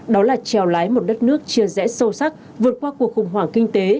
đó là trèo lái một đất nước chia rẽ sâu sắc vượt qua cuộc khủng hoảng kinh tế